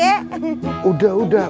udah udah udah